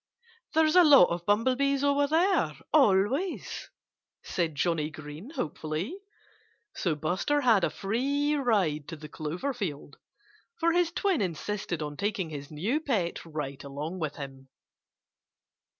"There's a lot of bumblebees over there, always," said Johnnie Green hopefully. So Buster had a free ride to the clover field; for his twin insisted on taking his new pet right along with him.